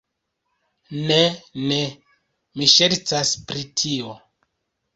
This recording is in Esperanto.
Ne, ne, mi ŝercas pri tio